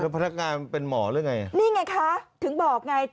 พนักงานเป็นหมอหรือไงนี่ไงคะถึงบอกไง